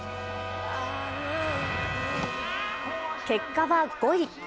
結果は、５位。